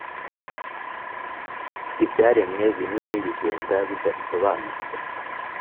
ibyaremwe binini bigenda bidasobanutse;